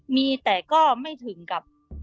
มีแต่ก็ไม่ถึงกับ